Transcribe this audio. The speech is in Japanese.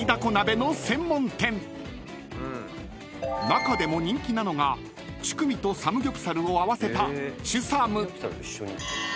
［中でも人気なのがチュクミとサムギョプサルを合わせた］